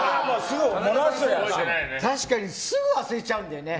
確かにすぐ忘れちゃうんだよね。